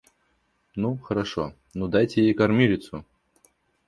Ну, хорошо, ну дайте ей кормилицу.